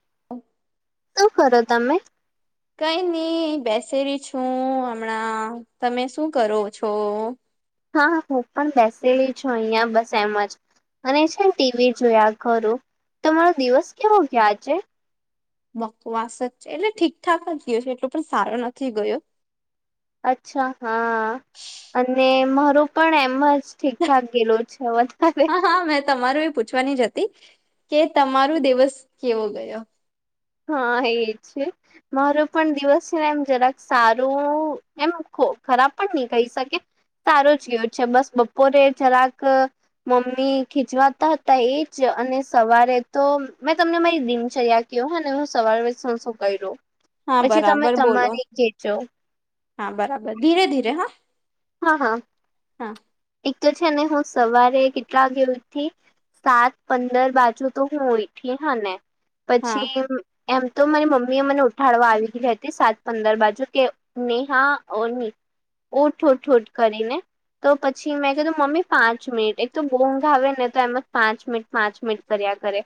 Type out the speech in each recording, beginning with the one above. [inaudible] શું કરો તમે? કઈ નહી બેસેલી છું હમણાં તમે શું કરો છો? હા હા હું પણ બેસેલી છું અહિયાં બસ એમ જ. અને છેન ટીવી જોયા કરું તમારો દિવસ કેવો ગયો આજે? બકવાસ જ એટલે ઠીકઠાક જ ગયો છે એટલો પણ સારો નથી ગયો. અચ્છા હા અને મારું પણ એમ જ. ઠીકઠાક ગેલો છે વધારે. હા હા મેં તમારું એ પૂછવાની જ હતી કે તમારું દિવસ કેવો ગયો? હા એજ. મારો પણ દિવસ છે ને એમ જરાક સારું એમ ખરાબ પણ નહી કહી શકે. સારો જ ગયો છે બસ બપોરે જરાક. મમ્મી ખીચવાતા હતા એજ અને સવારે તો મેં તમને મારી દિનચર્યા કહું હા ને હું સવાર થી સાંજ શું કરુ. હા પછી તમે બરાબર બોલો તમારી કેજો. હા બરાબર ધીરે ધીરે હા હા હા હા. એક તો છે ને હું સવારે કેટલા વાગે ઊઠી? સાત પંદર બાજુ તો હું ઊંઠી હા ને હા પછી એમ તો મારી મમ્મી એ મને ઉઠાડવા આવી ગઈ હતી સાત પંદર બાજુ કે નેહા ઓની ઉઠ ઉઠ ઉઠ કરીને. તો પછી મેં કીધું મમ્મી પાંચ મિનિટ એક તો બઉ ઊંઘ આવે ને તો એમાં પાંચ મિનિટ પાંચ મિનિટ કર્યા કરે.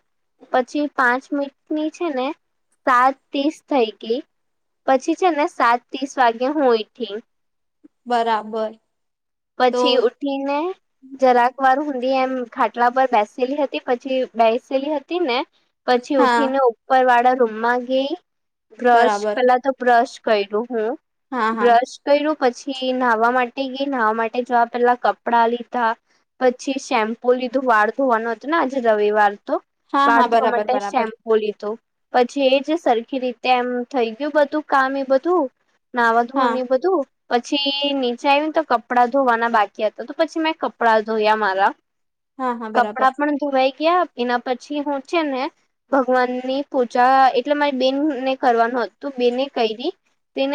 પછી પાંચ મિનટ ની છે ને. સાત ત્રીસ થઈ ગઈ પછી છે ને સાત ત્રીસ વાગે હું ઊઠી. બરાબર તો પછી ઉઠી ને જરાક વાર સુધી એમ ખાટલા પર બેસેલી હતી પછી બેસેલી હતી ને પછી હા ઉઠીને ઉપર વાળા રૂમમાં ગઈ. બ્રશ બરાબર પેલા તો બ્રશ કર્યું હું હા હા બ્રશ કર્યો પછી નાહવા માટે ગઈ. નાવા માટે જવા પેલા કપડા લીધા પછી શેમ પુ લીધું વાળ ધોવાનું હતું ને આજે રવિવાર તો હા હા વાળ ધોવા બરાબર માટે બરાબર શેમ્પ બોલી તો પછી એજ સરખી રીતે એમ થઈ ગયું બધું કામ એ બધું. નાવા હા ધોવાનું એ બધું પછી નીચે આઇવિ નેતો કપડા ધોવાના બાકી હતા તો પછી મેં કપડા ધોયા મારા હા હા બરાબર કપડાં પણ ધોવાઈ ગયા એના પછી હું છે ને ભગવાનની પૂજા એટલે મારી બેન ને કરવાનું હતું બેને કરી તેને